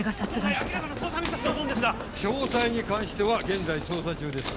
詳細に関しては現在捜査中です。